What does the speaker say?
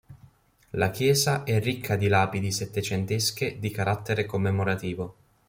La chiesa è ricca di lapidi settecentesche di carattere commemorativo.